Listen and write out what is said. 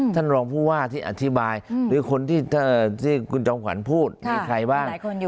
ท่านรองผู้ว่าที่อธิบายหรือคนที่คุณจอมขวัญพูดมีใครบ้าง